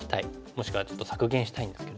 もしくはちょっと削減したいんですけども。